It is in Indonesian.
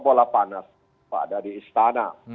bola panas ada di istana